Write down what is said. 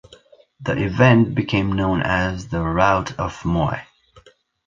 The event became known as The Rout of Moy.